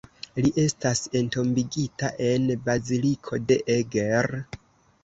Li estas entombigita en Baziliko de Eger.